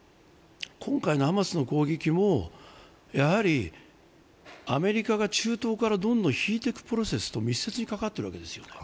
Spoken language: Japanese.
今回のハマスの攻撃も、アメリカが中東からどんどん引いていくプロセスに密接に関わっているわけですよね。